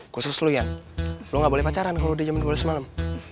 khusus lo yan lo gak boleh pacaran kalau udah jam dua belas malem